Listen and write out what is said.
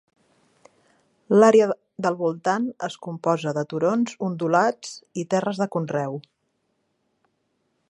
L'àrea del voltant es composa de turons ondulats i terres de conreu.